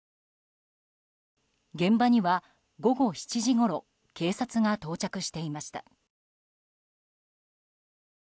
現場には午後７時ごろ警察が到着していました。